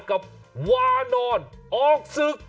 กับวานอนออกศึก